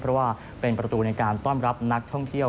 เพราะว่าเป็นประตูในการต้อนรับนักท่องเที่ยว